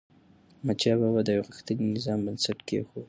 احمدشاه بابا د یو غښتلي نظام بنسټ کېښود.